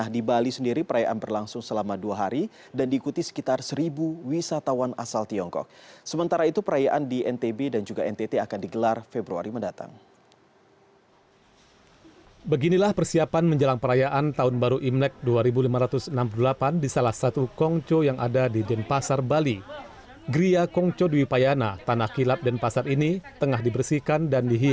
di bali perayaan berlangsung selama dua hari dan diikuti sekitar seribu wisatawan asal tiongkok